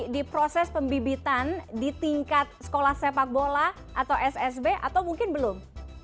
di proses pembibitan di tingkat sekolah sepak bola atau ssb atau mungkin belum